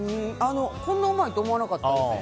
こんなうまいと思わなかったです。